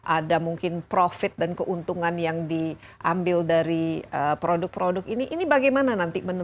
ada mungkin profit dan keuntungan yang diambil dari produk produk ini ini bagaimana nanti